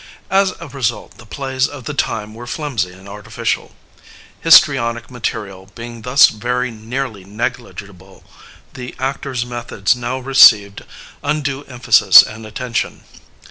As a result the plays of the time were flimsy and artiflciaL Histrionic ma terial being thus very nearly negligible, the actor's methods now received undue emphasis and atten tion.